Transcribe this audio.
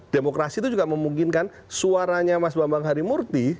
demokrasi itu juga memungkinkan suaranya mas bambang hari murti